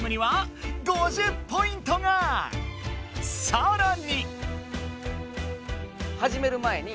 さらに。